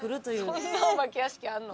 そんなお化け屋敷あるの？